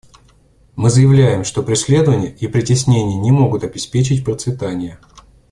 Мы заявляем, что преследование и притеснение не могут обеспечить процветание.